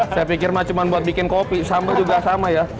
saya pikir cuma buat bikin kopi sambal juga sama ya